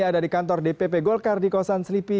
ada di kantor dpp gokar di kosan sleepy